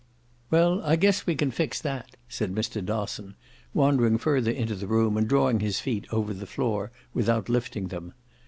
"Well, I guess we can fix that," said Mr. Dosson, wandering further into the room and drawing his feet over the floor without lifting them.